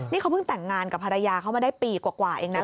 นี่เขาเพิ่งแต่งงานกับภรรยาเขามาได้ปีกว่าเองนะ